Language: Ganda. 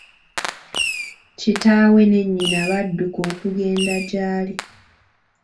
Kitaawe ne nnyina badduka okugenda gy'ali.